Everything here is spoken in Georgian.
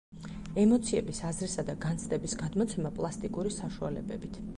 ემოციების, აზრისა და განცდების გადმოცემა პლასტიკური საშუალებებით.